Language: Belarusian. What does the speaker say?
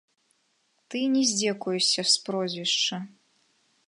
Ты не здзекуешся з прозвішча.